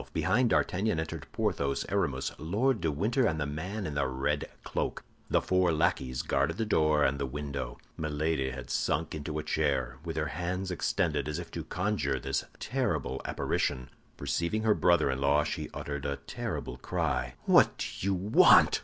Behind D'Artagnan entered Porthos, Aramis, Lord de Winter, and the man in the red cloak. The four lackeys guarded the door and the window. Milady had sunk into a chair, with her hands extended, as if to conjure this terrible apparition. Perceiving her brother in law, she uttered a terrible cry. "What do you want?"